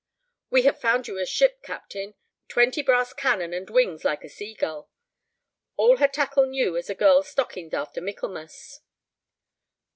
"We have found you a ship, captain: twenty brass cannon and wings like a sea gull. All her tackle new as a girl's stockings after Michaelmas."